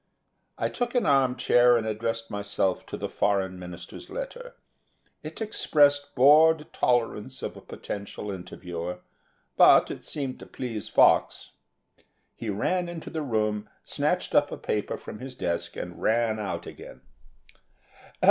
I took an arm chair and addressed myself to the Foreign Minister's letter. It expressed bored tolerance of a potential interviewer, but it seemed to please Fox. He ran into the room, snatched up a paper from his desk, and ran out again.